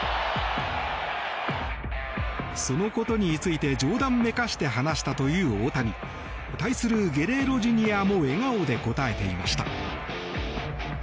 そのことについて冗談めかして話したという大谷。対するゲレーロＪｒ．も笑顔で応えていました。